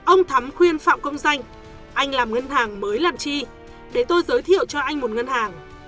ông thắm khuyên phạm công danh anh làm ngân hàng mới làm chi để tôi giới thiệu cho anh một ngân hàng